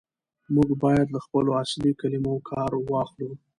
موږ بايد له خپلو اصلي کلمو کار واخلو.